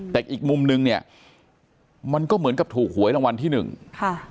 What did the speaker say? แต่อีกมุมนึงเนี่ยมันก็เหมือนกับถูกหวยรางวัลที่หนึ่งค่ะ